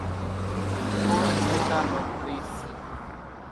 ڪونئين ميڌا نون مريض سي۔